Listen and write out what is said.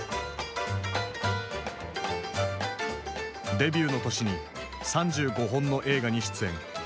デビューの年に３５本の映画に出演。